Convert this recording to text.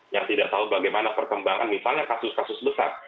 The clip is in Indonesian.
yang tidak tahu bagaimana perkembangan misalnya kasus kasus besar